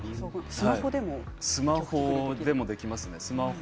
スマホでもできますね。